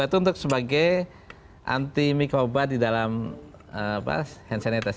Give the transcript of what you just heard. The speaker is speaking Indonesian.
h dua o dua itu untuk sebagai anti mikro obat di dalam handsanitase